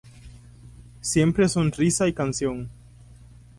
Siempre sonrisa y canción.